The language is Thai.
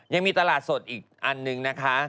ยังมีตลาดสดอีกอันนึงนะคะ